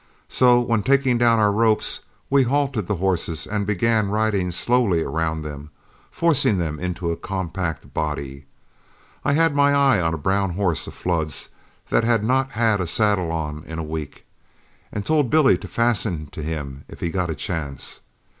So when, taking down our ropes, we halted the horses and began riding slowly around them, forcing them into a compact body, I had my eye on a brown horse of Flood's that had not had a saddle on in a week, and told Billy to fasten to him if he got a chance.